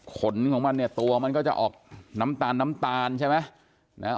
ขนของมันตรวมันก็จะออกน้ำตาลใช่ไหม